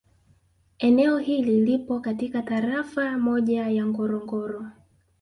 Eneo hili lipo katika Tarafa moja ya Ngorongoro